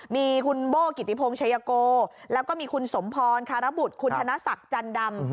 มีคุณโบ้กิติพงชัยโกแล้วก็มีคุณสมพรคารบุตรคุณธนศักดิ์จันดำ